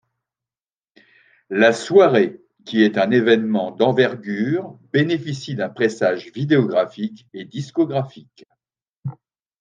La soirée, qui est un événement d'envergure, bénéficie d'un pressage vidéographique et discographique.